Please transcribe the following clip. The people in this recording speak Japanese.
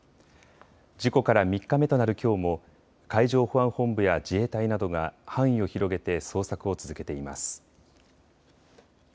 事故から３日目となるきょうも海上保安本部や自衛隊などが範囲を広げて捜索を続けています。